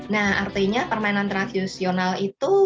nah artinya permainan tradisional itu